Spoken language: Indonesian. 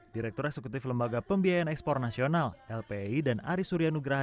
direktur eksekutif lembaga pembiayaan ekspor nasional lpi dan aris surya nugraha